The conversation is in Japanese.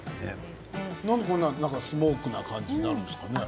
なんでこんなにスモークな感じになるんですかね。